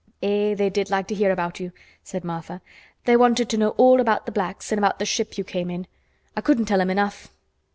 "Eh! they did like to hear about you," said Martha. "They wanted to know all about th' blacks an' about th' ship you came in. I couldn't tell 'em enough."